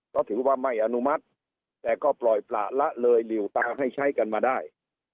ก็ถือว่าไม่อนุมัติแต่ก็ปล่อยประละเลยหลิวตาให้ใช้กันมาได้